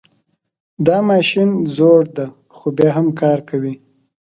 دا ماشین زوړ ده خو بیا هم کار کوي